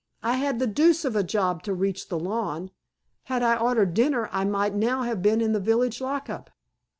I had the deuce of a job to reach the lawn. Had I ordered dinner I might now have been in the village lockup."